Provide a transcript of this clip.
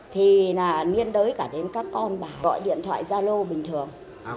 thì là liên đối cả đến các con bà gọi điện thoại gia lô bình thường